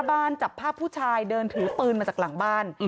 บ้านจับภาพผู้ชายเดินถือปืนมาจากหลังบ้าน